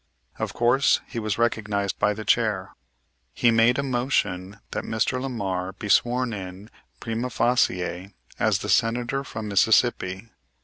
Of course he was recognized by the chair. He made a motion that Mr. Lamar be sworn in prima facie as the Senator from Mississippi.